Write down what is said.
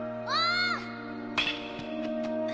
ああ。